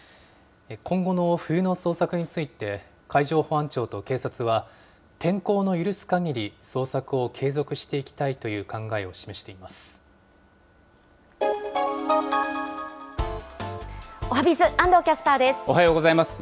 今後の冬の捜索について、海上保安庁と警察は、天候の許すかぎり捜索を継続していきたいという考えを示していまおはＢｉｚ、安藤キャスターおはようございます。